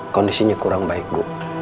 kondisinya kurang baik bu